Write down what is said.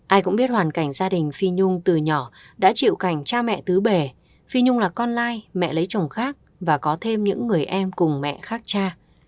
ai cũng biết hoàn cảnh gia đình phi nhung từ nhỏ đã chịu cảnh cha mẹ tứ bề phi nhung là con lai mẹ lấy chồng khác và có thêm những người em cùng mẹ khác cha